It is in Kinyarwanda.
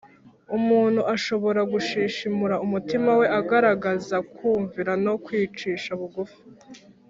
umuntu ashobora gushishimura umutima we agaragaza kumvira no kwicisha bugufi